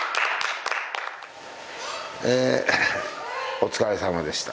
お疲れさまでした。